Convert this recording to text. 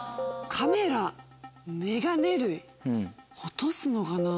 カメラ眼鏡類落とすのかな？